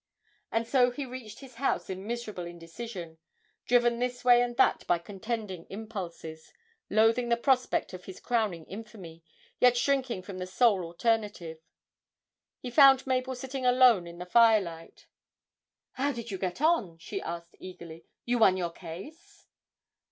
And so he reached his house in miserable indecision, driven this way and that by contending impulses, loathing the prospect of this crowning infamy, yet shrinking from the sole alternative. He found Mabel sitting alone in the firelight. 'How did you get on?' she asked eagerly; 'you won your case?'